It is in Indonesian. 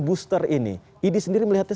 booster ini idi sendiri melihatnya